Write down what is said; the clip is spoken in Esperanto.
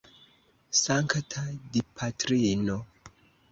Sankta Dipatrino!